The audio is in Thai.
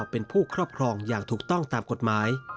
เป็นผู้ครอบครองอย่างถูกต้องตามกฎหมาย